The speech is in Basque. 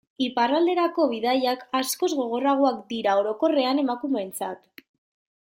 Iparralderako bidaiak askoz gogorragoak dira orokorrean emakumeentzat.